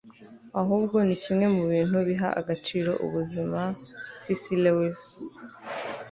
ahubwo ni kimwe mu bintu biha agaciro ubuzima - c s lewis